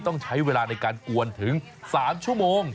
ต้องใช้เวลาในการกวนถึง๓ชั่วโมง